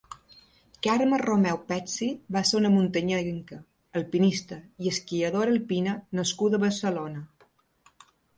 Carme Romeu Pecci va ser una muntanyenca, alpinista i esquiadora alpina nascuda a Barcelona.